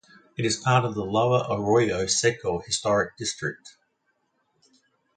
It is part of the Lower Arroyo Seco Historic District.